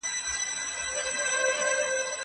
زه اوس کتابتوننۍ سره وخت تېرووم!؟